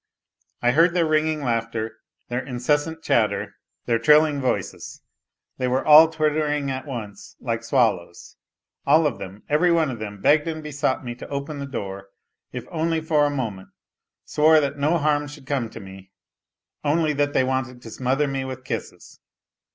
I heard their ringing laughter, their incessant chatter, their 240 A LITTLE HERO trilling voices; they were all twittering at once, like swal!. All of them, every one of them, begged and besought me to open the door, if only for a moment ; swore that no harm should come to me, only that they wanted to smother me with kisses.